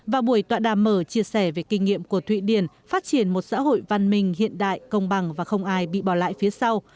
và buổi tọa đàm mở chia sẻ về kinh nghiệm của thụy điển phát triển một xã hội văn minh hiện đại công bằng và không ai bị bỏ lại phía sau